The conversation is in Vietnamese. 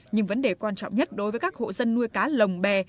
nhưng vấn đề quan trọng nhất đối với các hộ dân nuôi cá lồng bè